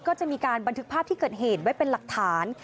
ก็จะมีการบันทึกภาพที่เกิดเหตุไว้เป็นหลักฐาน